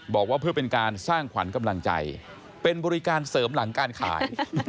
บอกว่าเพื่อเป็นการสร้างขวัญกำลังใจเป็นบริการเสริมหลังการขาย